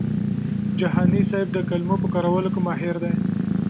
جهاني صاحب د کلمو په کارولو کي ماهر دی.